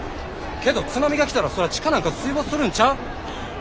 けど津波が来たらそりゃ地下なんか水没するんちゃう？